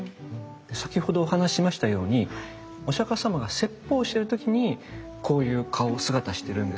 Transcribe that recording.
先ほどお話ししましたようにお釈様が説法してる時にこういう顔・姿してるんですね。